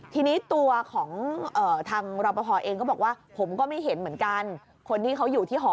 ทีนี้ตัวของทางรอปภเองก็บอกว่าผมก็ไม่เห็นเหมือนกันคนที่เขาอยู่ที่หอ